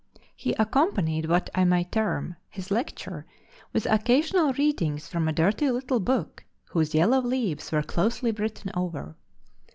He accompanied, what I may term, his lecture, with occasional readings from a dirty little book, whose yellow leaves were closely written over.